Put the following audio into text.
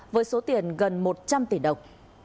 với số tiền gần một trăm linh tỷ đồng